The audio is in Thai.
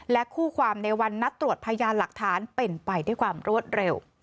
คู่ความในวันนัดตรวจพยานหลักฐานเป็นไปด้วยความรวดเร็ว